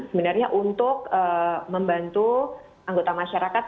sebenarnya untuk membantu anggota masyarakat